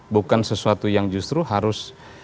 bukan sesuatu yang justru harus